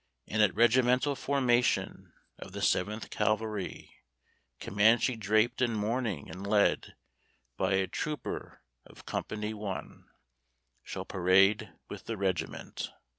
_ And at regimental formation Of the Seventh Cavalry, Comanche draped in mourning and led By a trooper of Company I, _Shall parade with the Regiment!